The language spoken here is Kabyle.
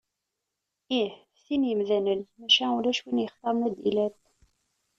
Ih, ftin yemdanen, maca ulac win yextaren ad d-ilal.